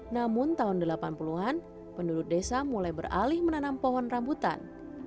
namun tahun delapan puluh an penduduk desa mulai beralih menanam pohon rambutan